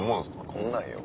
こんなんよ。